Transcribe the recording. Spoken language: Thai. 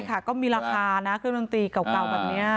ค่ะก็มีราคานะเครื่องดนตรีเก่าแบบนี้